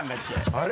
あれ？